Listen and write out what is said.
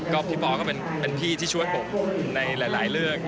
ก็พี่ปอก็เป็นพี่ที่ช่วยผมในหลายเรื่อง